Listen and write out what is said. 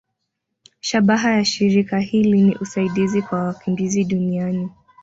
Shabaha ya shirika hili ni usaidizi kwa wakimbizi duniani.